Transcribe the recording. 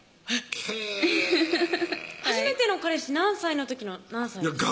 へぇ初めての彼氏何歳の時の何歳ですか？